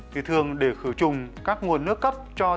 thì thường để khử trùng các nguồn nước cấp cho tập trung